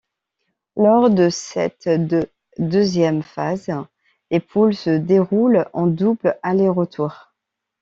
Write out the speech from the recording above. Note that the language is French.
Lors de cette de deuxième phase, les poules se déroulent en double aller-retour.